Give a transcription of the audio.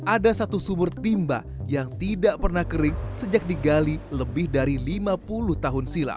ada satu sumur timba yang tidak pernah kering sejak digali lebih dari lima puluh tahun silam